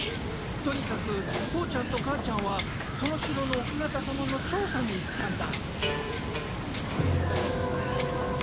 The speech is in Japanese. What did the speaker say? とにかく父ちゃんと母ちゃんはその城の奥方様の調査に行ったんだ。